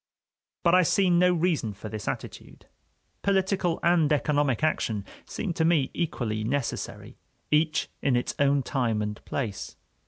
But I see no reason for this attitude; political and economic action seem to me equally necessary, each in its own time and place.